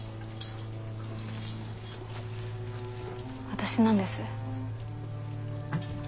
私なんです。